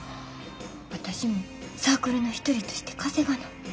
私もサークルの一人として稼がな。